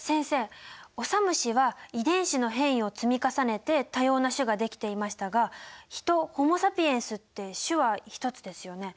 オサムシは遺伝子の変異を積み重ねて多様な種ができていましたがヒトホモ・サピエンスって種は１つですよね？